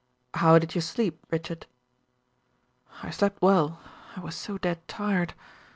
"How did you sleep, Richard?" "I slept well. I was so dead tired.